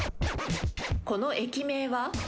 この駅名は？